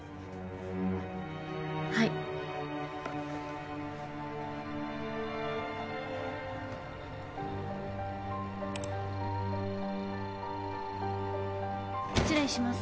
はい失礼します